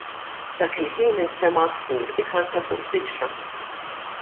Dak il-ħin instema' għasfur ikanta fuq siġra.